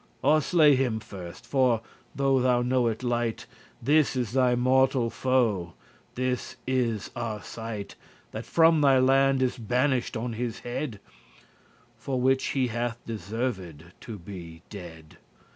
Or slay him first; for, though thou know it lite*, *little This is thy mortal foe, this is Arcite That from thy land is banisht on his head, For which he hath deserved to be dead.